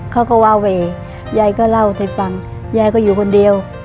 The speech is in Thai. เขาก็วาเวยายก็เล่าให้ฟังยายก็อยู่คนเดียว